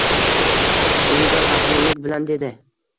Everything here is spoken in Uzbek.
Unga vazminlik bilan dedi.